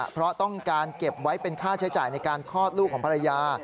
เพราะต้องการเก็บไว้เป็นค่าใช้จ่ายในการคลอดลูกของภรรยา